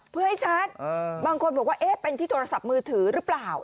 เพื่อให้ชัดบางคนบอกว่าเอ๊ะเป็นที่โทรศัพท์มือถือหรือเปล่า